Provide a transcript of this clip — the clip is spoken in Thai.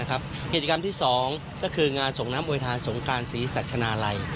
กิจกรรมที่๒ก็คืองานส่งน้ำโวยทานสงการศรีสัชนาลัย